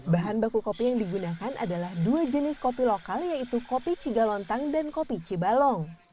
bahan baku kopi yang digunakan adalah dua jenis kopi lokal yaitu kopi cigalontang dan kopi cibalong